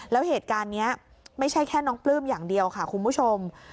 แล้วเหตุการณ์นี้ไม่ใช่แค่น้องปลื้มอย่างเดียวค่ะคุณผู้ชม